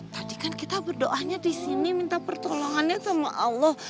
tadi kan kita berdoanya disini minta pertolongannya sama allah